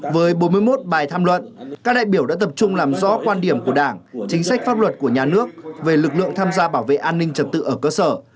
với bốn mươi một bài tham luận các đại biểu đã tập trung làm rõ quan điểm của đảng chính sách pháp luật của nhà nước về lực lượng tham gia bảo vệ an ninh trật tự ở cơ sở